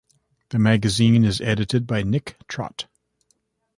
The magazine is edited by Nick Trott.